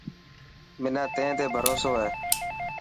منان تين تي ڀروسو هي.